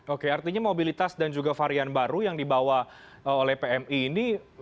oke artinya mobilitas dan juga varian baru yang dibawa oleh pmi ini